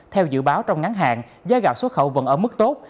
theo dự báo trong ngắn hạn giá gạo xuất khẩu vẫn ở mức tốt